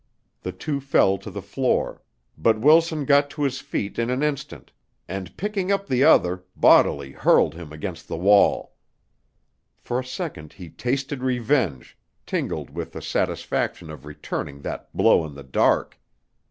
The two fell to the floor, but Wilson got to his feet in an instant and picking up the other bodily hurled him against the wall. For a second he tasted revenge, tingled with the satisfaction of returning that blow in the dark.